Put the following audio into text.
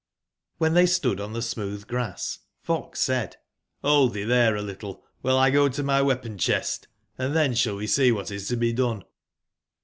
IRB]^ tbey stood on tbe smootb grass fox said: " Rold tbee tbere a little, wbile 1 go to my weapon/cbest, & tben sball we see wbat is to be done."